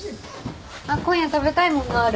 あっ今夜食べたいものある？